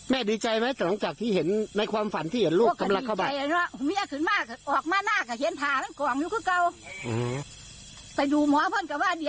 แม่ดีใจไหมจะหลงจากที่เห็นในความฝันที่เห็นพวกมันรักเข้าไป